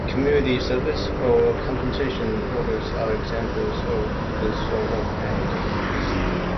Community service or compensation orders are examples of this sort of penalty.